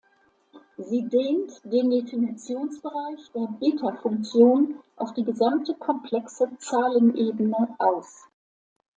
Sie dehnt den Definitionsbereich der Beta-Funktion auf die gesamte komplexe Zahlenebene aus.